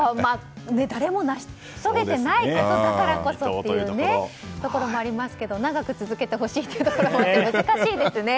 誰も成し遂げてないだからこそというところもありますが長く続けてほしいということもあって、難しいですね。